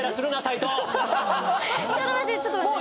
ちょっと待ってちょっと待って！